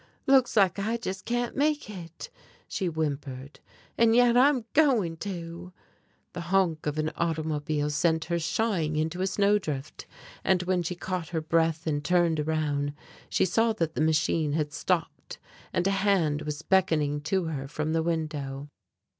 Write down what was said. "Looks like I just can't make it," she whimpered, "and yet I'm going to!" The honk of an automobile sent her shying into a snowdrift, and when she caught her breath and turned around she saw that the machine had stopped and a hand was beckoning to her from the window.